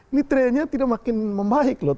ini trennya tidak makin membaik loh